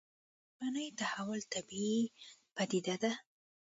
ژبني تحول طبیعي پديده ده